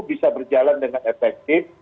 bisa berjalan dengan efektif